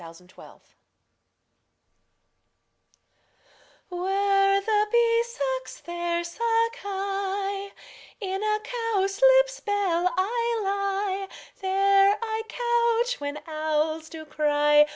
Fairy Land iv WHERE the bee sucks, there suck I: In a cowslip's bell I lie; There I couch when owls do cry.